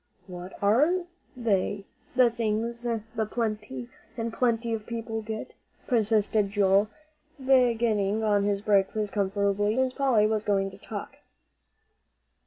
"What are they, the things the plenty and plenty of people get?" persisted Joel, beginning on his breakfast comfortably, since Polly was going to talk.